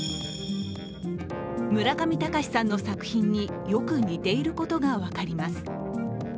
村上隆さんの作品によく似ていることが分かります。